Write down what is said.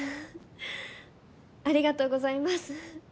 ありがとうございます。